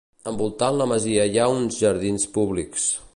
Envoltant la masia hi ha uns jardins públics.